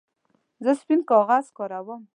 زه سپین کاغذ کاروم.